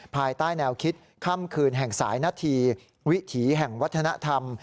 ภายใต้แนวคิดค่ำคืนแห่งสายนาทีวิถีแห่งวัฒนธรรม